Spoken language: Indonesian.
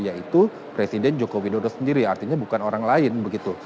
yaitu presiden joko widodo sendiri artinya bukan orang lain begitu